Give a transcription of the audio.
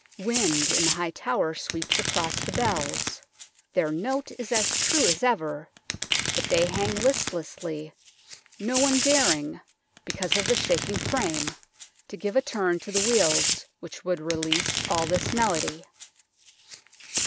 Wind in the high tower sweeps across the bells ; their note is as true as ever, but they hang listlessly, no one daring, because of the shaking frame, to give a turn to the wheels which would release all this melody.